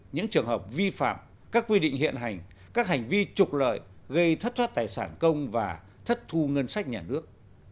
những trường hợp vi phạm các quy định hiện hành các hành vi trục lợi gây thất thoát tài sản công và thất thu ngân sách nhà nước